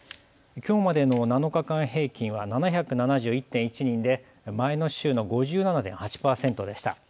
きょうまでの７日間平均は７７１．１人で前の週の５７．８％でした。